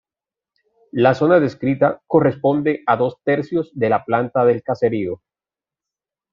La zona descrita corresponde a dos tercios de la planta del caserío.